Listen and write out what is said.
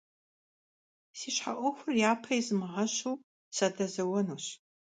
Си щхьэ Ӏуэхур япэ измыгъэщу, садэзэуэнущ.